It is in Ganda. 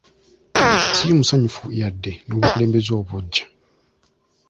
Siri musanyufu yadde n'obukulembeze obuggya.